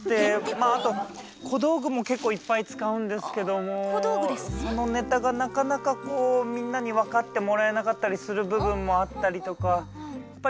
まああと小道具も結構いっぱい使うんですけどもそのネタがなかなかこうみんなに分かってもらえなかったりする部分もあったりとか。